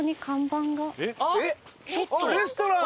あっレストラン！